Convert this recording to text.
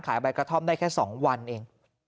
ใบกระท่อมได้แค่๒วันเอง